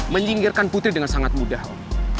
menyinggirkan putri dengan sangat mudah om